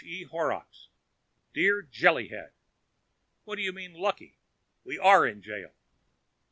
E. Horrocks Dear Jellyhead: What do you mean lucky? We are in jail.